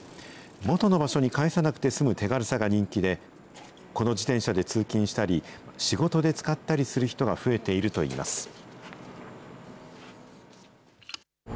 元の場所に返さなくて済む手軽さが人気で、この自転車で通勤したり、仕事で使ったりする人が増えているといいます。